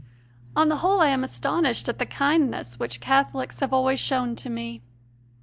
On the whole I am astonished at the kindness which Catholics have always shown to me.